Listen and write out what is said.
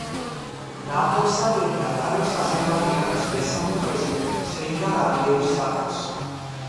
ნავთობსადენი ატარებს აზერბაიჯანის მესამე პრეზიდენტის ჰეიდარ ალიევის სახელს.